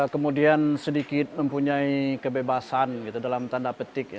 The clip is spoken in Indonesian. kemudian sedikit mempunyai kebebasan dalam tanda petik